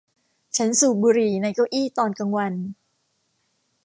ฉันสูบบุหรี่ในเก้าอี้ตอนกลางวัน